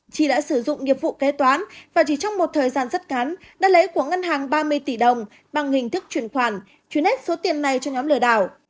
chi đã sử dụng nghiệp vụ kế toán và chỉ trong một thời gian rất ngắn đã lấy của ngân hàng ba mươi tỷ đồng bằng hình thức chuyển khoản chuyển hết số tiền này cho nhóm lừa đảo